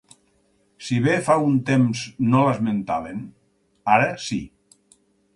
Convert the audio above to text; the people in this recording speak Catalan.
Si bé fa un temps no l’esmentaven, ara sí.